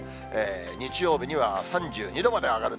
日曜日には３２度まで上がる。